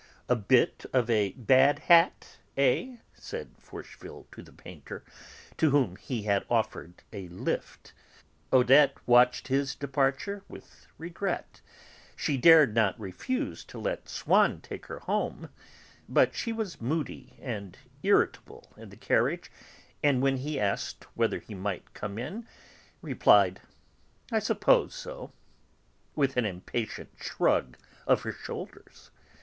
A bit of a bad hat, eh?" said Forcheville to the painter, to whom he had offered a 'lift.' Odette watched his departure with regret; she dared not refuse to let Swann take her home, but she was moody and irritable in the carriage, and, when he asked whether he might come in, replied, "I suppose so," with an impatient shrug of her shoulders.